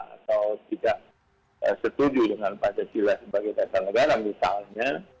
atau tidak setuju dengan pancasila sebagai dasar negara misalnya